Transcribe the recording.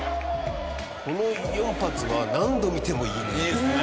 この４発は何度見てもいいね。